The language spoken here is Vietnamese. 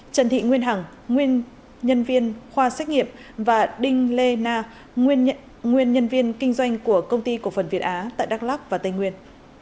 trần thị nguyên hằng nguyên nhân viên khoa xét nghiệm và đinh lê na nguyên nhân viên kinh doanh của công ty cổ phần việt á tại đắk lắc và tây nguyên